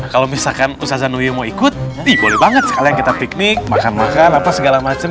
kalau misalkan ustaz zanuyuh mau ikut ih boleh banget sekalian kita piknik makan makan apa segala macem